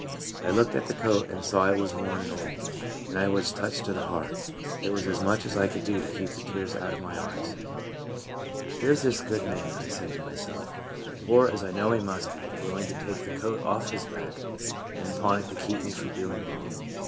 51 I looked at the coat and saw it was worn and old, and I was touched to the heart. It was as much as I could do to keep the tears out of my eyes. " Here 's this good man," I said to myself, " poor, as I know he must be, willing to take the coat off his back and pawn it to keep me from doing wrong."